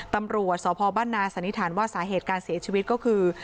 ตำรวจสพบ้านนาสันนิษฐานว่าสาเหตุการเสียชีวิตก็คือ